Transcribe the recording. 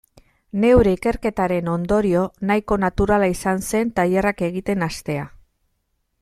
Neure ikerketaren ondorio nahiko naturala izan zen tailerrak egiten hastea.